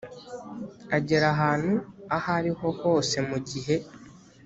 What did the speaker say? agera ahantu aho ari ho hose mu gihe